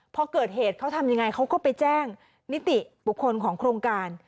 พอเกิดเหตุเขาทำยังไงเขาก็ไปแจ้งนิติบุคคลของโครงการ